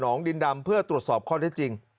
หนองดินดำเพื่อตรวจสอบข้อที่จริง